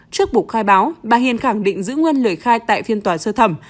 trước buộc khai báo bà hiền khẳng định giữ nguyên lời khai tại phiên tòa sơ thẩm